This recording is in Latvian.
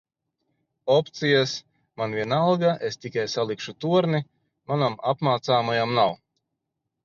Opcijas- man vienalga, es tikai salikšu torni, manam apmācāmajam nav.